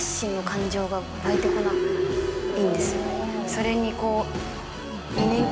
それにこう。